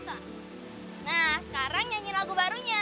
nah sekarang nyanyi lagu barunya